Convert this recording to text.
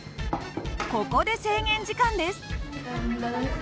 ここで制限時間です。